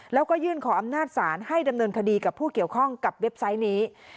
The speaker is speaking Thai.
แล้วก็ยื่นขออำนาจศาลให้ดำเนินคดีกับผู้เกี่ยวข้องกับเว็บไซต์นี้